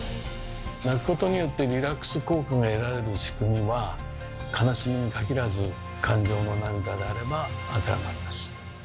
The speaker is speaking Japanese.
泣くことによってリラックス効果が得られる仕組みは悲しみに限らず感情の涙であれば当てはまります。